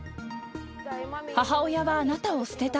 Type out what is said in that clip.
母親はあなたを捨てた。